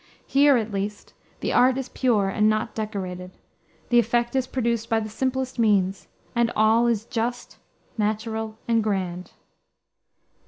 Here, at least, the art is pure and not "decorated;" the effect is produced by the simplest means, and all is just, natural, and grand.